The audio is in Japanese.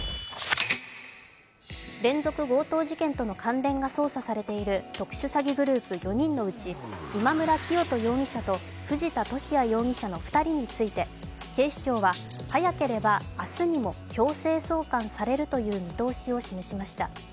連続強盗事件との関連が捜査されている特殊詐欺グループ４人のうち今村磨人容疑者と藤田聖也容疑者の２人について警視庁は早ければ明日にも強制送還されるという見通しを示しました。